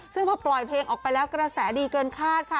ซึ่งพอปล่อยเพลงออกไปแล้วกระแสดีเกินคาดค่ะ